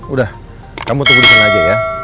udah kamu tunggu disana aja ya